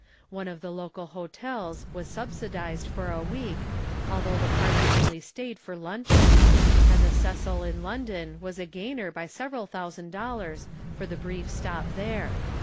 One of the local hotels was subsidized for a week, although the party only stayed for luncheon, and the Cecil in London was a gainer by several thousand dollars for the brief stop there.